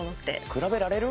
比べられる？